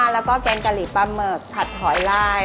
และก็แกงกาลีปลาหมึกผัดหอยไลน์